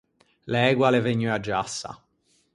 L’ægua a l’é vegnua giassa.